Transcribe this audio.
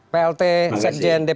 plt sekjen dpp partai nasdem